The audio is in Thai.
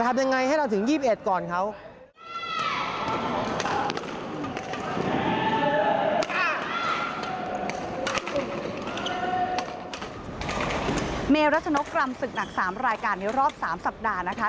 เมรัชนกกรรมศึกหนัก๓รายการในรอบ๓สัปดาห์นะคะ